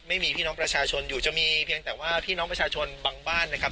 ไม่มีพี่น้องประชาชนอยู่จะมีเพียงแต่ว่าพี่น้องประชาชนบางบ้านนะครับ